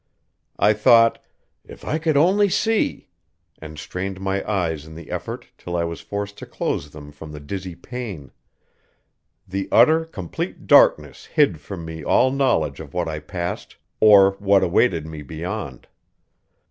I thought, "If I could only see!" and strained my eyes in the effort till I was forced to close them from the dizzy pain. The utter, complete darkness hid from me all knowledge of what I passed or what awaited me beyond.